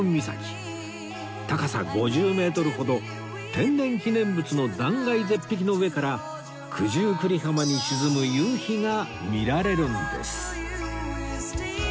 高さ５０メートルほど天然記念物の断崖絶壁の上から九十九里浜に沈む夕日が見られるんです